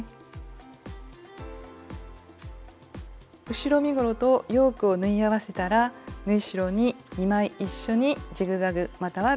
後ろ身ごろとヨークを縫い合わせたら縫い代に２枚一緒にジグザグまたはロックミシンをかけます。